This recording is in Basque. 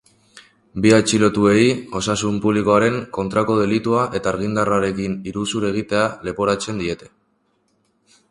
Bi atxilotuei osasun publikoaren kontrako delitua eta argindarrarekin iruzur egitea leporatzen diete.